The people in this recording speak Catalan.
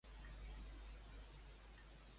Qui matina caga on vol.